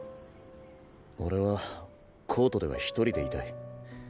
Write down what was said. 俺はコートでは１人でいたい。